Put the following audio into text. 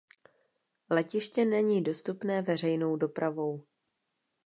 Letiště není dostupné veřejnou dopravou.